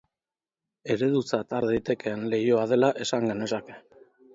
Eredutzat har daitekeen leihoa dela esan genezake.